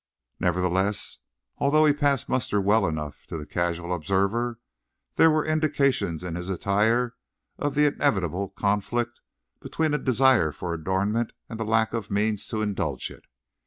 Nevertheless, although he passed muster well enough to the casual observer, there were indications in his attire of the inevitable conflict between a desire for adornment and the lack of means to indulge it.